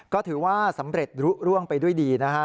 ก็ถือว่าสำเร็จรู้ร่วงไปด้วยดีนะฮะ